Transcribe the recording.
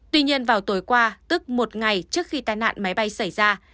tuy nhiên vào tối qua tức một ngày trước khi tai nạn máy bay xảy ra